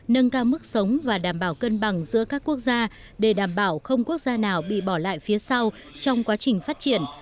nâng cao mức sống và đảm bảo cân bằng giữa các quốc gia để đảm bảo không quốc gia nào bị bỏ lại phía sau trong quá trình phát triển